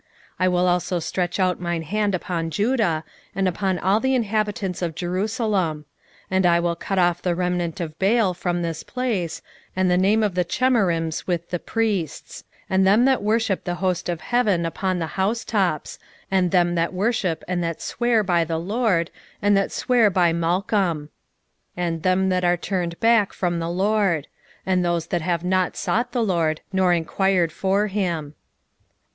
1:4 I will also stretch out mine hand upon Judah, and upon all the inhabitants of Jerusalem; and I will cut off the remnant of Baal from this place, and the name of the Chemarims with the priests; 1:5 And them that worship the host of heaven upon the housetops; and them that worship and that swear by the LORD, and that swear by Malcham; 1:6 And them that are turned back from the LORD; and those that have not sought the LORD, nor enquired for him.